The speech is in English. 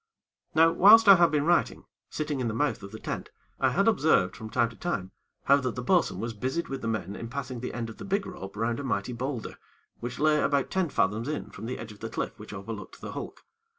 Now whilst I had been writing, sitting in the mouth of the tent, I had observed, from time to time, how that the bo'sun was busied with the men in passing the end of the big rope round a mighty boulder, which lay about ten fathoms in from the edge of the cliff which overlooked the hulk.